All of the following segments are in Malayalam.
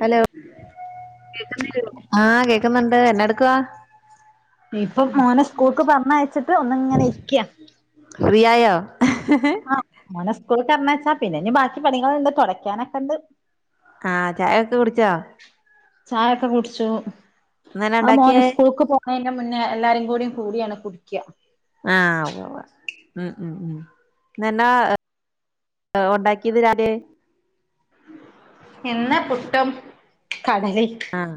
ഹലോ ആ കേക്കുന്നുണ്ട് എന്നാ എടുക്കുവാ ഇപ്പം മോനെ സ്കൂൾക്ക് പറഞ്ഞയച്ചിട്ട് ഒന്നിങ്ങനെ ഇരിക്ക ഫ്രീയായോ ആഹ് മോനെ സ്കൂൾക്ക് പറഞ്ഞയച്ചാ പിന്നെ ഇഞ്ഞ് ബാക്കി പണികളുണ്ട് തുടക്കാനൊക്കെ ഉണ്ട് ആഹ് ചായൊക്കെ കുടിച്ചോ ചായൊക്കെ കുടിച്ചു ഇന്നെന്നാ അത് മോന ഉണ്ടാക്കിയേ സ്കൂൾക്ക് പോ അതിന്റെ മുന്നേ എല്ലാരും കൂടെ കൂടിയാണ് കുടിക്ക ആഹ് ആഹ് ഉം ഉം [unintelligible] ഒണ്ടാക്കിയത് രാവിലെ ഇന്ന് പുട്ടും കടലേം ആഹ്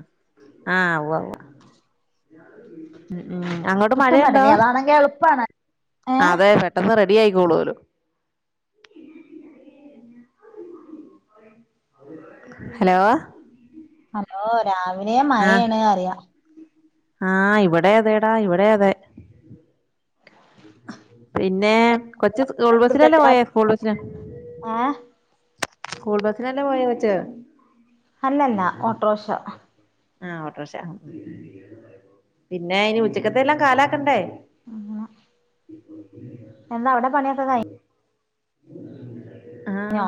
ആഹ് ഉവ്വ ഉവ്വ അങ്ങോട്ട് മഴയുണ്ടോ നല്ല എളുപ്പാണ് ഏ അതെ പെട്ടെന്ന് റെഡി ആയിക്കോളൂലോ ഹലോ ഹലോ രാവിലേ ആഹ് മയയാണ് പറയ ആഹ് ഇവിടെ അതെേടാ ഇവിടെ അതെ പിന്നേ കൊച്ച് സ്കൂൾ ബസിലല്ലേ പോയേ സ്കൂൾ ബസിന് ഏ സ്കൂൾ ബസിനല്ലേ പോയേ കൊച്ച് അല്ലല്ല ഓട്ടോറിക്ഷ ആഹ് ഓട്ടോറിക്ഷ പിന്നെ ഇനി ഉച്ചക്കത്തെ എല്ലാം കാലാക്കണ്ടേ ആഹ് [unintelligible] എന്താ അവിടെ പണിയൊക്കെ കഴി കഴിഞ്ഞോ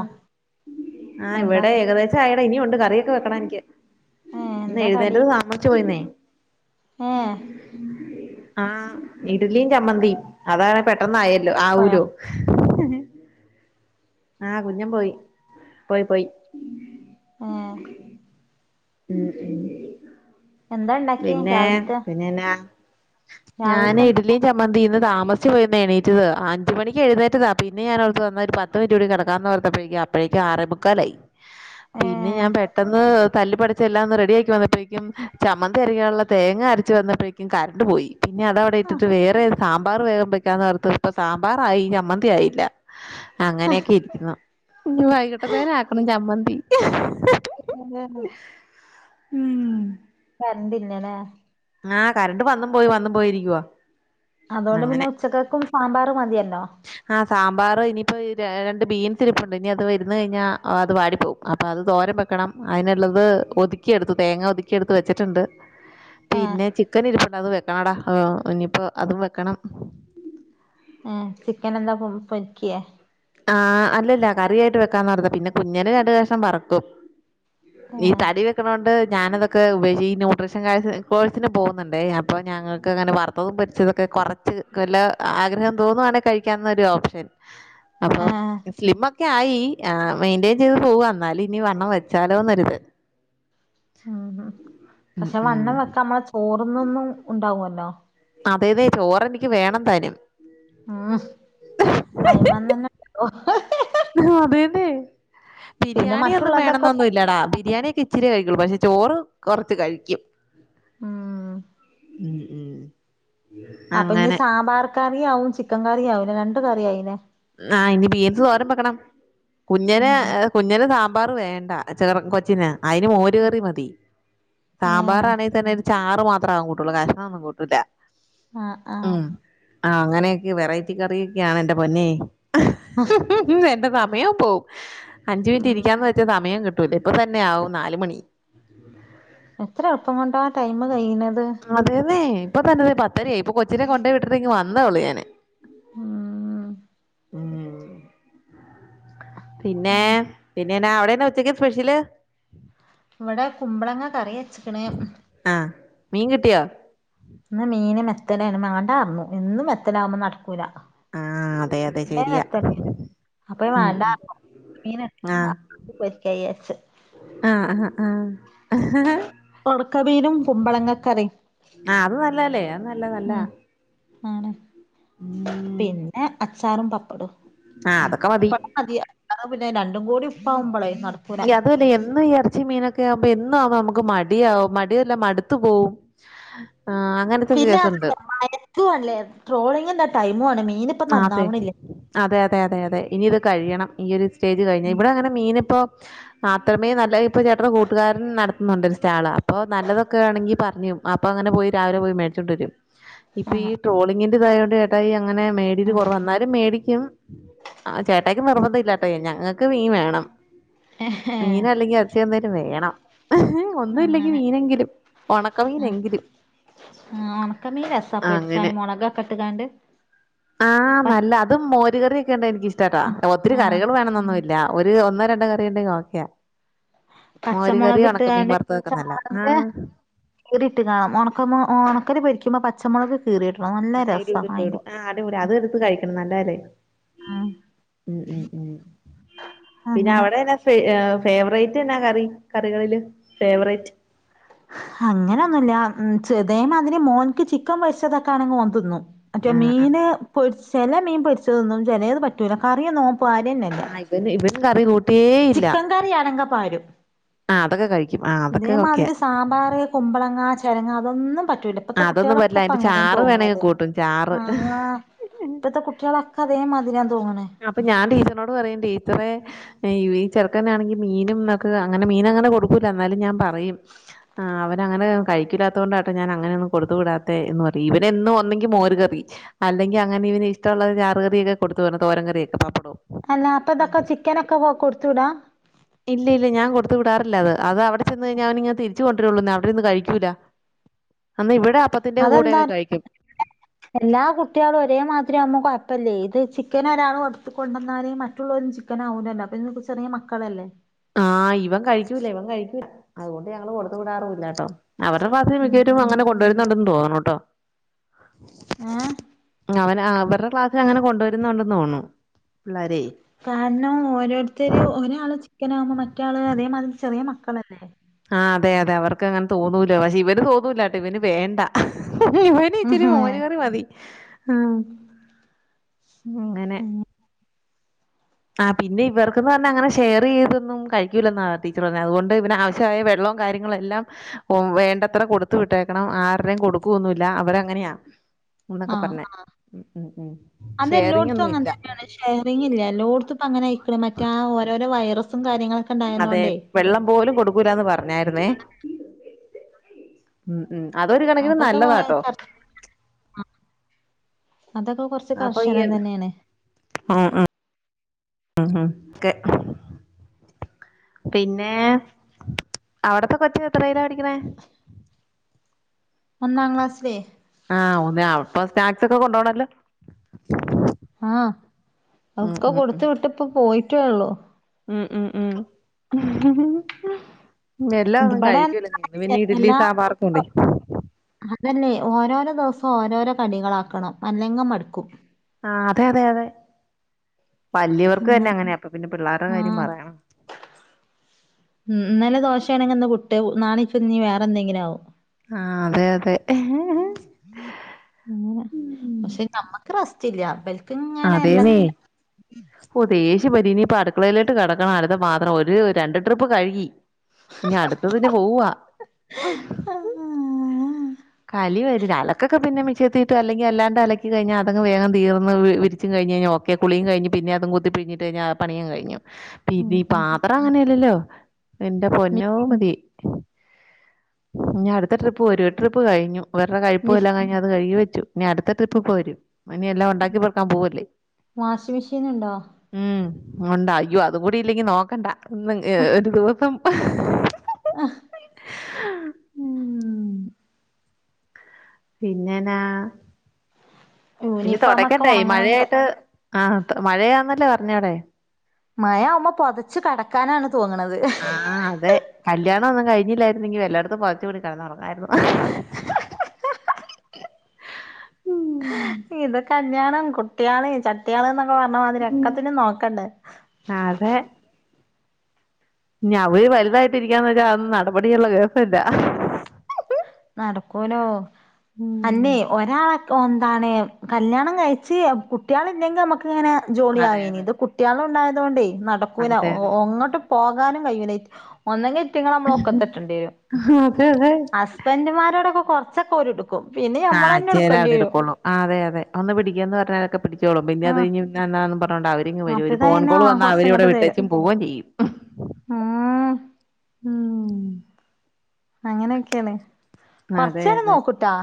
ആഹ് എന്താ ഇവിടെ ഏകദേശം ആയെടാ ഇനിയൊണ്ട് കറിയൊക്കെ വെക്കണം എനിക്ക് ഏ ഇന്ന് എഴുന്നേറ്റത് താമസിച്ചു പോയെന്നേ ഏഹ് ആ ഇഡലിയും ചമ്മന്തിയും അതാണെ പെട്ടന്നായല്ലോ പോയോ ആവൂലോ ആഹ് കുഞ്ഞൻ പോയി പോയി പോയി ഏഹ് ഉം എന്താ ഇണ്ടാക്കിയെ പിന്നെ രാവിലത്തെ പിന്നെന്നാ രാവിലത്തെ ഞാന് എന്താ ഇഡലിം ച മന്തി ഇന്ന് താമസിച്ച് പോയീന്ന് എണീറ്റത് അഞ്ച് മണിക്ക് എഴുന്നേറ്റതാ പിന്നെ ഞാനോർത്തു എന്നാ ഒരു പത്ത് പത്ത് മിനുട്ട് കൂടി കിടക്കാന്ന് ഓർത്തപ്പോഴേക്കും അപ്പോഴേക്കും ആറേ മുക്കാലായി ഏ പിന്നെ ഞാൻ പെട്ടന്ന് തല്ലി പിടിച്ച് എല്ലാം ഒന്ന് റെഡിയാക്കി വന്നപ്പോഴേക്കും ചമ്മ ന്തി അരക്കാനുള്ള തേങ്ങ അരച്ച് വന്നപ്പോഴേക്കും കറണ്ട് പോയി പിന്നെ അതവിടെ ആ ഇട്ടിട്ട് വേറെ സാമ്പാർ വേഗം വെക്കാന്ന് ഓർത്തപ്പൊ സാമ്പാറായി ചമ്മന്തിയായില്ല അങ്ങനെയൊക്കെ ഇരിക്കുന്നു ഇനി വൈകിട്ടത്തേനാക്കണം ചമ്മന്തി [unintelligible] ഉം കരണ്ടില്ല ലേ ആഹ് കറണ്ട് വന്നും പോയി വന്നും പോയിരിക്കുവാ അതുകൊണ്ട് അങ്ങനെ പിന്നെ ഉച്ചക്കക്കും സാമ്പാറ് മതിയല്ലോ ആ സാമ്പാർ ഇനിയിപ്പോ രണ്ട് ബീൻസ് ഇരിപ്പുണ്ട് ഇനി അത് ഇരുന്ന് കഴിഞ്ഞാ അത് വാടി പോകും അപ്പൊ അത് തോരൻ വെക്കണം അതിനുള്ളത് ഒതുക്കി എടുത്തു തേങ്ങ ഒതുക്കി എടുത്ത് വെച്ചിട്ടുണ്ട് ഏ പിന്നെ ചിക്കൻ ഇരിപ്പുണ്ട് അത് വെക്കണടാ ഇനിയിപ്പോ അതും വെക്കണം ആഹ് ചിക്കൻ എന്താക്കും പൊരിക്കേ ആഹ് അല്ലല്ല കറിയായിട്ട് വെക്കാന്നോർത്താ പിന്നെ കുഞ്ഞന് രണ്ട് കഷ്ണം വറുക്കും ഈ തടി വെക്കണോണ്ട് ഞാനതൊ ഒക്കെ ഉപേക്ഷിച്ച് ന്യൂട്രീഷൻ കോഴ്സിന് പോകുന്നുണ്ടേ അപ്പോ ഞങ്ങക്കങ്ങനെ വറുത്തതും പൊരിച്ചതൊക്കെ കൊറച്ച് വല്ല ആഗ്രഹം തോന്നുവാണേ കഴിക്കാവുന്ന ഒരു ഓപ്ഷൻ ഏ അപ്പം സ്ലിം ക്കെ ആയി മെയിന്റെയിൻ ചെയ്ത് പോവ എന്നാല് ഇനി വണ്ണം വെച്ചാലോന്നൊരിത് ഉം ഉം പക്ഷെ ഉം വണ്ണം വെക്കാ നമ്മള ചോറ്ന്നൊന്നും ഉണ്ടാവല്ലോ. അതെയതെ ചോറെനിക്ക് വേണം താനും. ആഹ് അയിമന്നന്നെ ഓഹോഹ് ആഹ് അതേന്നെ. പിന്നെ ബിരിയാണി ഒന്നും മറ്റുള്ളതൊക്കെ വേണംന്നൊന്നു ല്ലടാ. ബിരിയാണിയൊക്കെ ഇച്ചിര്യേ കഴിക്കുള്ളൂ പക്ഷെ ചോറ് കൊറച്ച് കഴിക്കും. ഉം ഉം ഉം അപ്പ ഞ്ഞ് അങ്ങനെ സാമ്പാർ കറിയാവും ചിക്കൻ കറിയാവൂലെ രണ്ട് കറി ആയിലെ. ആഹ് ഇനി ബീൻസ് തോരം വെക്കണം. കുഞ്ഞന് ഉം കുഞ്ഞന് സാമ്പാർ വേണ്ട. ചേർ കൊച്ചിന്. അയ്ന് മോര് കറി മതി. ഏ സാമ്പാറാണെങ്കി തന്നെ ഒരു ചാറ് മാത്രാ അവൻ കൂട്ടൊള്ളൂ കാ അതൊന്നും കൂട്ടൂല്ല. ആഹ് ആഹ് ആഹ് അങ്ങനെയൊക്കെ വെറൈറ്റി കറിയൊക്കെയാണ് എൻ്റെ പൊന്നെ. എന്റെ സമയവും പോവും. അഞ്ച് മിനിറ്റ് ഉം ഇരിക്കാന്ന് വെ ച്ച സമയം കിട്ടൂല്ല ഇപ്പ തന്നെ ആവും നാല് മണി. എത്ര എൾപ്പം കൊണ്ടാ ടൈം കഴിണത്. അതേന്നേ ഇപ്പൊ തന്നെ ദേ പത്തരയായി ഇപ്പ കൊച്ചിനെ കൊണ്ടേയി വിട്ടിട്ട് ഇങ്ങ് വന്നേ ഒള്ളൂ ഞാന്. ഉം ഉം പിന്നേ പിന്നെ എന്നാ അവിടെ എന്നാ ഒ ഉച്ചക്ക് സ്പെഷ്യല്? ഇവടെ കുമ്പളങ്ങ കറി വെച്ച്ക്ണ്. ആഹ് മീൻ കിട്ടിയോ? ഇന്ന് മീന് മെത്തലേണ്. മാണ്ടാർണു. എന്നും മെത്തലാകുമ്പോ നടക്കൂല. ആഹ് അതെ അതെ [unintelligible] ശരിയാ മെത്തലേനു. അപ്പ ഞാ ഉം ഉം വാണ്ടാർണു. ഉണക്ക മീൻണ്ട് ആഹ് അത് പൊരിക്കാ യാര്ച്ച്. ആഹ് ആഹ് ആഹ് ആഹ് ഒണക്ക മീനും കുമ്പളങ്ങക്കറിം ആഹ് അത് നല്ല അല്ലേ അത് നല്ലാ നല്ലാ. ആണ് പിന്നെ അച്ചാറും പപ്പടും. ആഹ് അതൊക്കെ മതി പപ്പടം മതി അല്ലാതെ പിന്നെ രണ്ടും കൂടി ഉപ്പാവുമ്പളേ നട അതു അല്ല എന്നു ഈ എർച്ചിം മീനൊക് ക്യാവുമ്പ എന്നു ആവ്മ്പം നമുക്ക് മടിയാവും മടിയല്ല മടുത്ത് പോകും. ആഹ് അങ്ങനത്തെ പിന്നെ കേസുണ്ട് മയക്കു അല്ലേ ട്രോളിങ്ങിന്റെ ടൈമു ആണ് മീന് ആഹ് അതെ. അതെ അതെ അതെ അതെ ഇനി ഇത് കഴിയണം ഈ ഒരു സ് സ്റ്റേജ് കഴിഞ്ഞ് ഇവടെ അങ്ങനെ മീൻ ഇപ്പോ മാത്രമേ നല്ല ഇപ്പ ചേട്ടടെ കൂട്ടുകാരൻ നട ത് ന്നുണ്ട് ഒരു സ്റ്റാള്. അപ്പോ നല്ലതൊക്കെ ആണെങ്കി പർയും അപ്പൊ അങ്ങനെ പോയി രാവിലെ പോയി മേടിച്ചോണ്ട് വരും. ഇപ്പീ ട്രോളിങ്ങിന്റെ ഇതായോണ്ട് ചേട്ടായി അങ്ങനെ മേടീര് കൊറവാ എന്നാലും മേടിക്കും. ആഹ് ചേട്ടായിക്ക് നിർബന്ധം ഇല്ലാട്ടെ ഞങ്ങക്ക് വീൻ വേണം. ആഹ് മീനല്ലെങ്കി അർച്ചി എന്തായാലും വേണം. ഒന്നു ഇല്ലെങ്കി അങ്ങനെ മീനെങ്കിലും ഒണക്കമീനെങ്കിലും. ആഹ് ഒണക്ക മീൻ രസാ അങ്ങനെ. പൊരിച്ചാന് മുളകൊക്കെ ഇട്ട്കാണ്ട്. ആഹ് പ നല്ല അതും മോര് കറിയൊക്കെ ഇണ്ടേ എനിക്ക് ഇഷ്ടാട്ടാ. ആ അങ്നെ ഒത്തിരി ആ കറികൾ വേണം ന്നൊന്നു ഇല്ലാ ഒര് ഒന്നോ രണ്ടോ കറിയുണ്ടെങ്കി ഓക്കെയാ. മോര് പച്ചമൊളക് കറിയും ഉണക്ക മീൻ ഇട്ട്കാണ്ട് വറുത്തതൊക്കെ നല്ലാ ആഹ്. കീറിട്ട് കാണാം ഒണക്ക മൊ ഓണക്കല് പൊരിക്കുമ്പോ പച്ചമുളക് കീറിഇട്നെ നല്ലെ ആ ഇടും ഇടും ഇടും ആ അടി പെളിയാഅത് എടുത്ത് കഴിക്കണം നല്ലതല്ലേ ഉം ഉം ഉം ഉം പിന്നെ അങ്ങനെ അവിടെന്നെ ഫ ഫേവറേറ്റ് എന്നാ കറി കറികളില് ഫേവറേറ്റ്. അങ്ങനൊ ഒന്നു ഇല്ല ഉം ച് ഇതേ മാതിരി മോൻക്ക് ചിക്കൻ പൊരിച്ചതൊക്കെ ആണെങ്കിൽ ഓൻ തിന്നും മറ്റേ ആഹ് ആഹ് മീൻ പൊരി ചെല മീൻ പൊരിച്ചത് തിന്നും ചെലത് പറ്റൂല കറിയൊന്നും ഓൻ പാരന്നെ ഇല്ല പിന്നെ ഇവനും കറി കൂ ട്ടേയില്ല കറിയാണെങ്കി പാരും ആഹ് അതൊക്കെ കഴിക്കും ആഹ് അതൊക്കെ ഒക്കെയാ ഇതേമാതിരി സാമ്പാറ് കുമ്പളങ്ങ ചെരങ്ങ അതൊന്നും പറ്റുല്ല ഇപ്പത്തെ ആഹ് അതൊന്നും കുട്ടികളൊക്കെ പറ്റില്ല ഇപ്പ അതിന്റെ അങ്ങനെന്നാ ചാറ് വേണമെങ്കിൽ തോന്നണത് കൂട്ടും ചാറ് ആഹ് ഇപ്പത്തെ കുട്ട്യളൊക്കെ അതേ മാതിരിയാന്ന് തോന്നണ് അപ്പൊ ഞാൻ ടീച്ചറിനോട് പറയും ടീച്ചറെ ഈ ചെറക്കനാണെങ്കിൽ മീനും ഒക്കെ അങ്ങനെ മീന് അങ്ങനെ കൊടുക്കൂല്ല എന്നാലും ഞാൻ പറയും ആഹ് അവനങ്ങനെ കഴിക്കൂല്ലാത്തോണ്ടട്ടോ ഞാൻ അങ്ങനെ ഒന്നും കൊടുത്ത് വിടാത്തെ എന്ന് പറയും ഇവനെന്നും ഒന്നെങ്കി മോരുകറി അല്ലെങ്കിൽ അങ്ങനെ ഇവന് ഇഷ്ടുള്ള ചാറുകറിയൊക്കെ കൊടുത്തു വിടണം തോരൻ കറി ഒക്കെ പപ്പടവും അല്ല അപ്പ ഇതൊക്കെ ചിക്കനൊക്കെ കൊടുത്തു വിടാ ഇല്ല ഇല്ല ഞാൻ കൊടുത്തു വിടാറില്ല അത് അത് അവിടെ ചെന്ന് കഴിഞ്ഞാ അവൻ ഇങ്ങനെ തിരി ച്ചു കൊണ്ടിരുള്ളുന്നേ അവിടെര്ന്ന് കഴിക്കൂല എന്ന ഇവിടെ അപ്പ അതെന്താ എല്ലാ കുട്ടികളും ഒരേ മാതിരി ആവുമ്പോ കൊഴപ്പല്ലേ ഇത് ചിക്കൻ ഒരാള് കൊടുത്തു കൊണ്ടന്നാല് മറ്റുള്ളോരും ചി ക്കനാവുല്ലല്ലോ അപ്പൊ ഇന്ന് പ്പോ ചെറിയ മക്കളല്ലേ ആഹ് ഇവൻ കഴിക്കൂല്ല ഇവൻ കഴിക്കൂല്ല അതുകൊണ്ട് ഞങ്ങള് കൊടുത്ത് വിടാറൂല്ലാട്ടോ അവരുടെ ഭാഗത്തിന് ഉം മിക്കവരും ഉം അങ്ങനെ കൊണ്ടുവരുന്നുണ്ടെന്ന് തോന്നണുട്ടോ ഏഹ് അ അവൻ ആഹ് അവരുടെ ക്ലാസ്സിൽ അങ്ങനെ കൊണ്ടുവരുന്നുണ്ടെന്ന് തോന്നുണു പിള്ളാരേ കാരണം ഓരോരുത്തര് ഒരാള് ചിക്കനാവുമ്പോ മറ്റേ ആള് അതേമാതിരി ചെറിയ മക്കളല്ലേ ആഹ് അതെ അതെ അവർക്ക് അങ്ങനെ തോന്നൂലോ പക്ഷെ ഇവന് തോന്നൂലാട്ട ഇവന് വേണ്ട ഇവൻ ഇച്ചിരി മോരുകറി മതി ഉം അങ്ങനെ ഉം ആഹ് പിന്നെ ഇവർക്കുന്ന് പറഞ്ഞെ അങ്ങനെ ഷെയറീയതൊന്നും കഴിക്കൂല്ലന്നാ ടീച്ചറ് പറഞ്ഞത് അതുകൊണ്ട് ഇവന് ആവ ച്ചായ വെള്ളോം കാര്യങ്ങളും എല്ലാം ഓം വേണ്ടത്ര കൊടുത്തു വിട്ടേക്കണം ആരുടെം കൊടുക്കുവൊന്നുല്ല അവര അങ്ങനെയാ എന്നൊക്കെ ആഹ് പറഞ്ഞേ ഉം ഉം ഉം ഷെയറിംഗ് ഒന്നും ഇല്ല ഷെയറിംഗ് ഇല്ല എല്ലോടത്തും ഇപ്പൊ അങ്ങനെ ആയിക്കണ് മറ്റേ ആ ഓരോരോ വൈറസും കാര്യങ്ങള് അതെ വെള്ളം പോലും കൊടുക്കൂലന്ന് പറഞ്ഞായിരുന്നേ ഉം ഉം അതൊരു കാ അതൊക്കെ [unintelligible] അതൊക്കെ കൊറ അപ്പൊ യീ ഉം ഉം ഉം ഒക്കെ പിന്നെ അവിടത്തെ കൊച്ച് എത്രയിലാ പഠിക്കണേ ഒന്നാം ക്ലാസില് ആഹ് ഒന്നില് ആഹ് അപ്പൊ സ്നാക്സ് ഒക്കെ കൊണ്ടോവണല്ലോ ആഹ് അവൊക്കെ കൊടുത്ത് വിട്ട് ഇപ്പം പോയിട്ടേള്ളൂ ഉം ഉം ഉം എല്ലാം ഒന്നും ഇതിബടെ കഴിക്കൂല്ലന്നേന്ന് പിന്നെ ഇഡലിം എല്ലാ സാമ്പാറും കൊണ്ടയി അതല്ലേ ഓരോരോ ദെവസം ഓരോരോ കടികളാക്കണം അല്ലെങ്കെ മട്ക്കും. ആഹ് അതെ അതെ അതെ വല്യവർക്ക് തന്നെ അങ്ങനെ അപ്പ പിന്നെ പിള്ളേരുടെ കാര്യം പറയണോ. ഉം ഇന്നലെ ദോശാണെങ്കി ഇന്ന് പുട്ട് നാളെ പ്പിഞി വേറെ എന്തെങ്കിലും ആവും. ആഹ് അതെ അതെ. പക്ഷേ നമ്മക്ക് റസ്റ്റ് ഇല്ല ബൽ അതേന്നേ. ഓ ദേഷ്യം വരും ഇനി ഇപ്പൊ അടുക്കളയിലോട്ട് കട്ക്കണം അടുത്ത പാത്രം ഒരു രണ്ട് ട്രിപ്പ് കഴുകി. ഇഞ് അട്ത്തതിന് പോവാ. ആഹ്. കലി വര അലക്കൊക്കെ പിന്നെ മിഷീനത്തിട്ട് അലക്കി അല്ലാണ്ട് അലക്കി കഴിഞ്ഞാ അതങ് വേഗം തീർന്ന് വി ചും കഴിഞ് കഴിഞ്ഞ ഓക്കെ കുളിം കഴിഞ് പിന്നെ അതും കുത്തി പിഴിഞ്ഞിട്ട് കഴിഞ്ഞാ പണിയും കഴിഞ്ഞു. ഉം പിന്നെ ഉം പാത്രം അങ്ങനെയല്ലല്ലോ എന്റെ മി പൊന്നോ മതി. ഇനി അടുത്ത ട്രിപ്പ് ഒരു ട്രിപ്പ് കഴിഞ്ഞു വേരുടെ മിഷ് കഴിപ്പല്ലാം കഴിഞ്ഞ്. അത് കഴുകി വച്ചു ഇനി അടുത്ത ട്രിപ്പ് പ്പോ വരും. ഇനി എല്ലാം ഉണ്ടാക്കി പെക്കാൻ പോവല്ലേ. വാഷിംഗ് മെഷീൻ ഉണ്ടോ? ഉം ഉണ്ടാ അയ്യോ അത് കൂടി ഇല്ലെങ്കി നോക്കണ്ട ഒരു ദിവസം. ആഹ്. ഉം പിന്നെനാ ഇനി യൂണിഫോം ഒക്കെ തുടക്കട്ടായി ഉണങ്ങണെങ്കില് മഴയായിട്ട്. ആഹ് മഴയാന്നല്ലേ പറഞ്ഞവ്ടെ? മഴാവുമ്പ പൊത്ച്ചു കെടക്കാനാണ് തോന്ന്ണത്. ആഹ് അതെ കല്യാണം ഒന്നും കഴിഞ്ഞില്ലായിരുന്നെങ്കി വല്ല ഇടതും പുതച്ച് മൂടി കിടന്നുറങ്ങായിരുന്നു. ഇത് കല്യാണം കുട്ടികള് ചട്ടിയാള് എന്നൊക്കെ പറ്ഞ്ഞ മാതിരി ഒക്കെത്തിനും നോക്കണ്ടേ. അതെ. ഇഞ് അവര് വലുതായിട്ടിരിക്കാന്ന് വെച്ചാൽ അന്നും നടപടിയുള്ള കേസല്ല. നടക്കൂലോ ഉം അല്ലെ ഒരാള എന്താണ് കല്യാണം കഴിച്ച് കുട്ടികള ഇല്ലെങ്കി നമ്മുക്ക് ഇങ്ങനെ. ജോളി അതെ ആയേനി അതെ ഇത് കുട്ടികള് ഉണ്ടായതോണ്ടേ നടക്കുല്ല അതെ ഒ അതെ ഒങ്ങോട്ടും പോകാനും കഴിയൂല. ഒന്നങ്കി ന്ട്ടങ്കളെ നമ്മൾ ഒക്കെത്ത്ട്ടെണ്ടി വരും അതെ അതെ ഹസ്ബൻഡുമാരോടൊക്കെ കെറ്ച്ചൊക്കെ ഒല്ട്ക്കും. കും പിന്നെ. ആഹ് ഞമ്മളന്നെ എടുക്കേണ്ടി വരും ചെലാൾട്ക്കെള്ളു അതെ അതെ ഒന്ന് പിടിക്കാന്ന് പറഞ്ഞാലൊക്കെ പിടിച്ചോളും പിന്നെ അത് ആഹ് കയിഞ്. എന്നാന്ന് പറഞ്ഞോണ്ട് അവരിങ്ങ് വരും ഒരു അപ്പതാ ഫോൺ പിന്നെ കോൾ വന്നാ കൊറച്ച് അവരി വ്ടെ ഇങ്ങട്ട് തരും വിട്ടേച്ചു പോവേം ചെയ്യും. ഉം ഉം. അങ്ങനെയൊക്കെയാണ് അതെ കൊറ്ച്ചേരം അതെ നോക്കൂട്ടാ.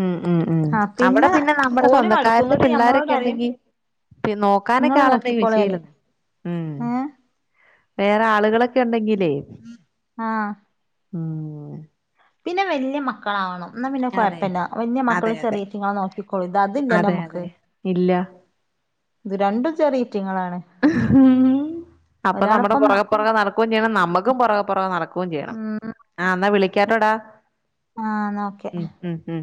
ഉം ഉം ഉം അവിടെ പിന്നെ നമ്മടെ ഓര് മടുക്കും സ്വന്തക്കാരില് ഇങ്ങട്ട് ഞമ്മളോട് പിള്ളാരൊക്കെ പറയും ഉണ്ടെങ്കി. പി നോക്കാനൊക്കെ ഇങ്ങള് ആളക്കെ നോക്കിക്കോളി പറയും [unintelligible] ഉം. ഏഹ് വേറെ ആളുകളൊക്കെ ഉണ്ടെങ്കിലേ ആഹ് ഉം. പിന്നെ വല്യ മക്കളാവണം. ന്നാ പിന്നെ അതെ കൊഴപ്പല്ലൃ വലിയ അതെ മക്കള് അതെ ചെറിയറ്റിങ്ങളെ നോക്കിക്കോളൂ ഇത് അതില്യലോ അതെ നമുക്ക്. അതെ ഇല്ല. ഇത് രണ്ടും ചെറിയ്റ്റിങ്ങളാണ്. ഉം. അപ്പൊ നമ്മുടെ പുറകെ പ്പുറകെ നടക്കും ചെയ്യണം നമ്മുക്കും പുറകെ പുറകെ നടക്കും ചെയ്യണം. ഉം ആഹ് ന്നാ വിളിക്കാട്ടോടാ. ആഹ് ന്ന ഒക്കെ. ഉം ഉം ഉം.